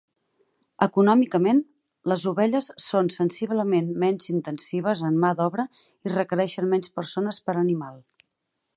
Econòmicament, les ovelles són sensiblement menys intensives en mà d'obra i requereixen menys persones per animal.